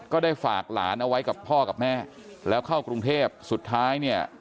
ก็ได้ฝากหลานเอาไว้กับพ่อกับแม่แล้วเข้ากรุงเทพสุดท้ายเนี่ย